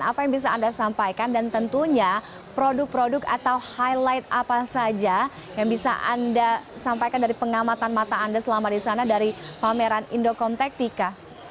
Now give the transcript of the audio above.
apa yang bisa anda sampaikan dan tentunya produk produk atau highlight apa saja yang bisa anda sampaikan dari pengamatan mata anda selama di sana dari pameran indocomtektika